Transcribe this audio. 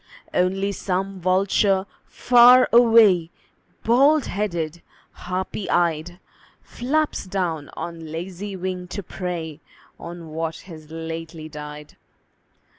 Only some vulture far away, Bald headed, harpy eyed, Flaps down on lazy wing to prey On what has lately died.